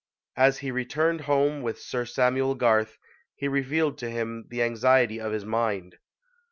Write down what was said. As he returned home with Sir Samuel Garth, he revealed to him the anxiety of his mind.